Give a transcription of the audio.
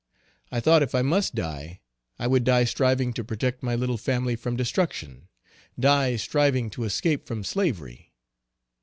I thought if I must die, I would die striving to protect my little family from destruction, die striving to escape from slavery.